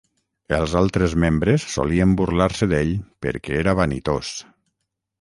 Els altres membres solien burlar-se d'ell perquè era vanitós.